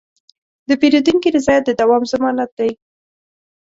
د پیرودونکي رضایت د دوام ضمانت دی.